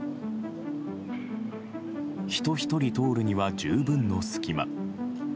人１人通るには十分の隙間。